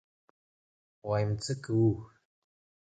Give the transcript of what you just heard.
ويم څه کوو.